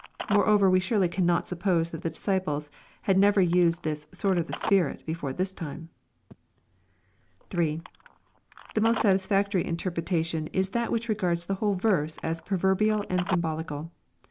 Moreover we surely cannot suppose that the disciples had never used this " sword of the Spirit" belbre this time. 3. The most satisfactory interpretation is that which regards the whole verse as proverbial and symbolical.